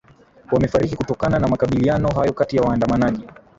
wamefariki kutokana na makabiliano hayo kati ya waandamanaji